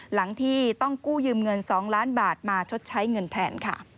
หลังที่ต้องกู้ยืมเงิน๒ล้านบาทมาชดใช้เงินแทนค่ะ